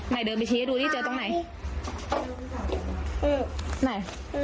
ไหนเดินไปชี้ดูนี่เจอตรงไหนก็เป็นแบบอืม